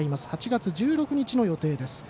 ８月１６日の予定です。